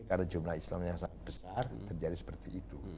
karena jumlah islamnya sangat besar terjadi seperti itu